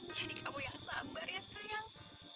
jadi kamu yang sabar ya sayang